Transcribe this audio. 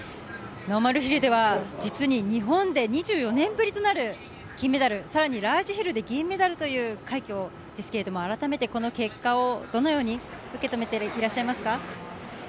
ノーマルヒルでは、実に日本で２４年ぶりとなる金メダル、さらにラージヒルで銀メダルという快挙ですけれども、改めてこの結果を、どのように受け止めていらっしゃいますか。